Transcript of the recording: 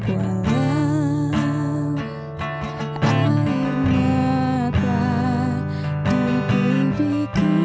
walau air mata di bibiku